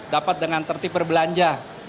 dapat dengan tertibur belanja